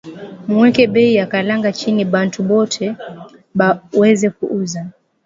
Mu weke beyi ya kalanga chini bantu bote ba weze ku uza